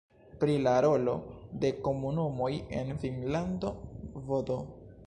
Pri la rolo de komunumoj en Finnlando vd.